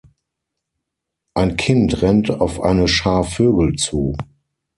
Ein Kind rennt auf eine Schar Vögel zu.